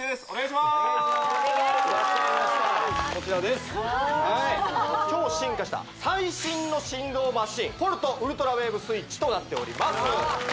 すごい超進化した最新の振動マシンポルトウルトラウェーブスイッチとなっております